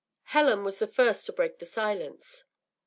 Helen was the first to break the silence.